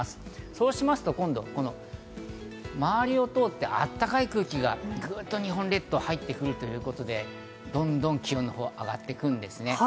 そうしますと今度、周りを通って、あったかい空気がグっと日本列島に入ってくる、ということで、どんどん気温が上がってくるんですね。